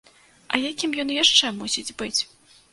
А якім ён яшчэ мусіць быць?!